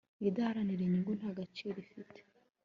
idaharanira inyungu nta gaciro ifite